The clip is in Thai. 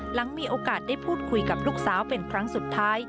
หลังมีโอกาสได้พูดคุยกับลูกสาวเป็นครั้งสุดท้าย